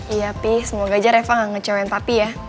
iya be semoga aja reva gak ngecewain papi ya